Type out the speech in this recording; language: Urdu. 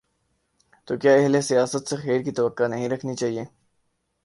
تو کیا اہل سیاست سے خیر کی توقع نہیں رکھنی چاہیے؟